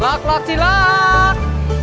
lak lak silak